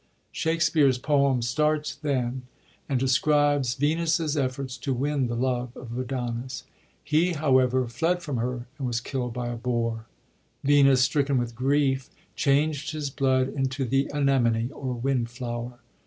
Shakspere's poem starts then, and describes Venus's efforts to win the love of Adonis. He, however, fled from her, and was killd by a boar. Venus, stricken with grief, changed his blood into the anemone, or wind flower.